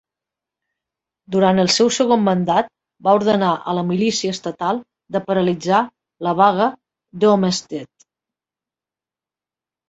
Durant el seu segon mandat, va ordenar a la milícia estatal de paralitzar la vaga de Homestead.